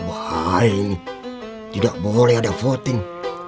wah ini tidak boleh ada voting